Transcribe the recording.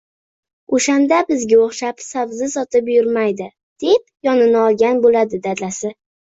Oʻshanda bizga oʻxshab sabzi sotib yurmaydi, – deb yonini olgan boʻladi dadasi.